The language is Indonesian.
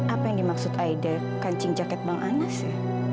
apa yang dimaksud aida kancing jaket bang anas ya